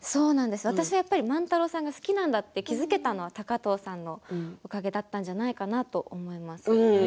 私は万太郎さんが好きなんだと気付けたのは高藤さんのおかげだったんじゃないかなと思います。